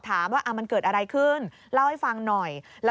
เขาผ่านมาอีกนิดนึงเขาก็ตัดหน้าหนูเลย